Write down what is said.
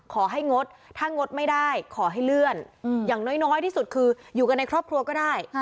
งดถ้างดไม่ได้ขอให้เลื่อนอย่างน้อยที่สุดคืออยู่กันในครอบครัวก็ได้